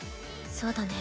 そうだね。